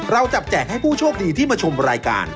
เราจับแจกให้ผู้โชคดีที่มาชมรายการ